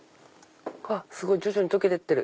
すごい！徐々に溶けてってる。